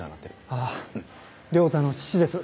あ良太の父です